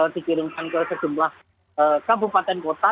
dikirimkan ke sejumlah kabupaten kota